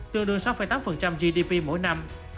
tương đương sáu tám gdp mỗi năm